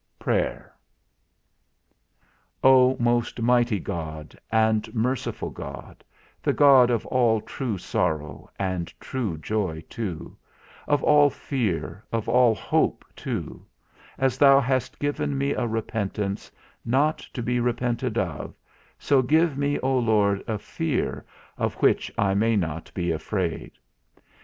VI. PRAYER. O most mighty God, and merciful God, the God of all true sorrow, and true joy too, of all fear, and of all hope too, as thou hast given me a repentance, not to be repented of, so give me, O Lord, a fear, of which I may not be afraid.